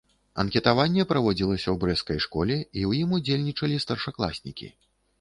Анкетаванне праводзілася ў брэсцкай школе, у ім удзельнічалі старшакласнікі.